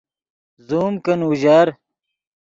زوم کن اوژر